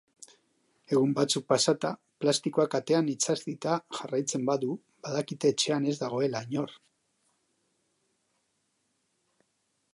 Egun batzuk pasata plastikoak atean itsatsita jarraitzen badu, badakite etxean ez dagoela inor.